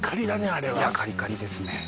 あれはカリカリですね